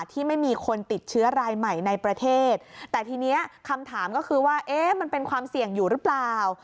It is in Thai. ที่ไม่มีคนติดเชื้อรายใหม่ในประเทศแต่ทีนี้คำถามก็คือว่าเอ๊ะมันเป็นความเสี่ยงอยู่หรือเปล่า